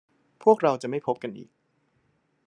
พวกเราจะไม่พบกันอีก